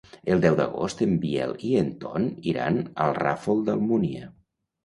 El deu d'agost en Biel i en Ton iran al Ràfol d'Almúnia.